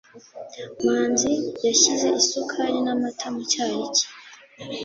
Manzi yashyize isukari n'amata mu cyayi cye.